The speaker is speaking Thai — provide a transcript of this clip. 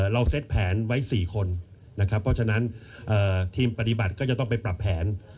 เซ็ตแผนไว้๔คนนะครับเพราะฉะนั้นทีมปฏิบัติก็จะต้องไปปรับแผน